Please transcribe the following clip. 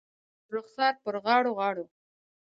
پر رخسار، پر غاړو ، غاړو